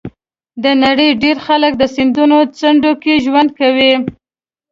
د نړۍ ډېری خلک د سیندونو څنډو کې ژوند کوي.